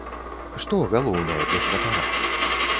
Што галоўнае для святара?